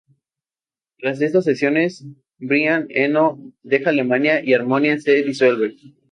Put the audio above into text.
Tras estas sesiones, Brian Eno deja Alemania y Harmonia se disuelve.